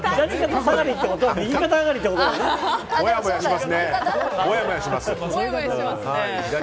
もやもやしますね。